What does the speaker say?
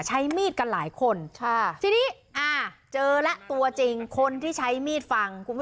ใช้มีดกันหลายคนทีนี้เจอแล้วตัวจริงคนที่ใช้มีดฟังคุณผู้ชม